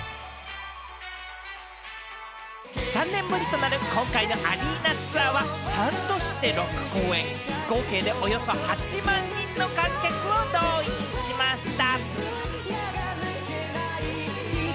３年ぶりとなる今回のアリーナツアーは、３年で６公演、合計でおよそ８万人の観客を動員しました。